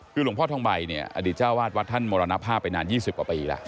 คือรวมพ่อทองใบนี่ได้ชาววาดวัดท่านธรรม้าพาไปนาน๒๐กว่าปีแล้ว